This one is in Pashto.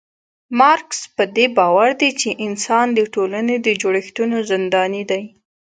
مارکس پدې باور دی چي انسان د ټولني د جوړښتونو زنداني دی